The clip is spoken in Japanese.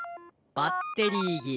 バッテリーぎれ」。